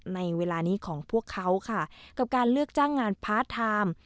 ในเวลานี้ของพวกเขาค่ะกับการเลือกจ้างงานพาร์ทไทม์